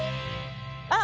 あっ